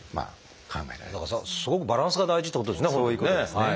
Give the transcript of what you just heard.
すごくバランスが大事ってことですね。